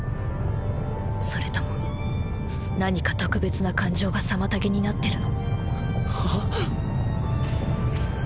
それとも何か特別な感情が妨げになってるの？